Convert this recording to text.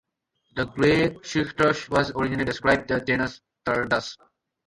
The grey shrikethrush was originally described in the genus "Turdus".